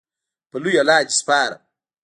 په لوی الله دې سپارم